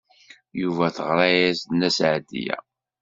Yuba teɣra-as-d Nna Seɛdiya.